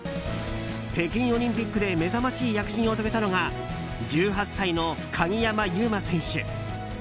北京オリンピックで目覚ましい躍進を遂げたのが１８歳の鍵山優真選手。